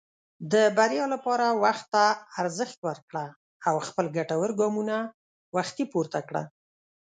د بریا لپاره وخت ته ارزښت ورکړه، او خپل ګټور ګامونه وختي پورته کړه.